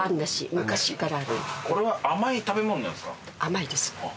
これは甘い食べ物なんですか？